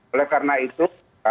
oleh karena itu